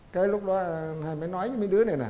cái lúc đó anh hai mới nói với mấy đứa này nè